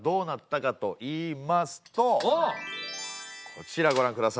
こちらごらんください。